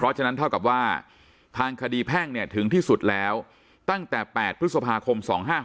เพราะฉะนั้นเท่ากับว่าทางคดีแพ่งเนี่ยถึงที่สุดแล้วตั้งแต่๘พฤษภาคม๒๕๖